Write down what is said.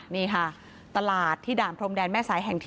นี่ค่ะตลาดที่ด่านพรมแดนแม่สายแห่งที่